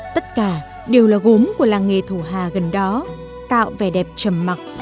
tất cả đều là gốm của làng nghề thổ hà gần đó tạo vẻ đẹp trầm mặc